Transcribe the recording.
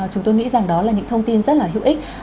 chúng tôi nghĩ rằng đó là những thông tin rất là hữu ích